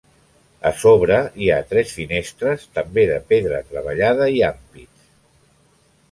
A sobre hi ha tres finestres, també de pedra treballada i ampits.